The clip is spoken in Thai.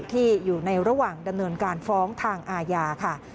ที่อยู่ในระหว่างดำเนินการฟ้องทางอาญาค่ะ